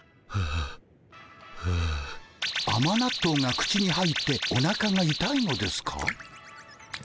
あま納豆が口に入っておなかがいたいのですか？